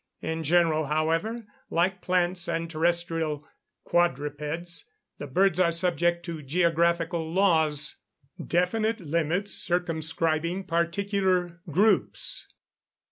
In general, however, like plants and terrestrial quadrupeds, the birds are subject to geographical laws, definite limits circumscribing particular groups.